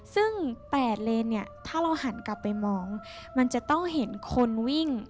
ซึ่ง๘เลนเนี่ยถ้าเราหันกลับไปมองมันจะต้องเห็นคนวิ่ง